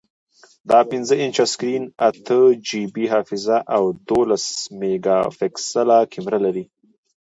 دا پنځه انچه سکرین، اته جی بی حافظه، او دولس میګاپکسله کیمره لري.